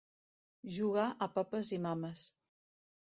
Jugar a papes i mames.